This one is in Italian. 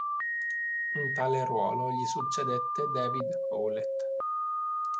In tale ruolo gli succedette David Howlett.